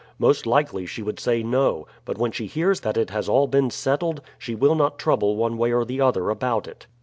Most likely she would say no; but when she hears that it has all been settled, she will not trouble one way or the other about it.